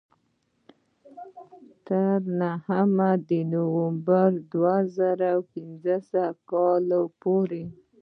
تر نهم د نومبر دوه زره پینځلس کال پورې.